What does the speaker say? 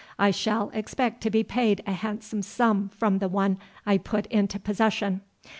I shall expect to be paid a handsome sum from the one I put into possession.